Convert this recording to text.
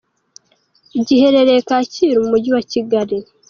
Giherereye Kacyiru mu Mujyi wa Kigali.